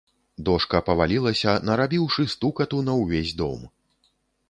Дошка павалілася, нарабіўшы стукату на ўвесь дом.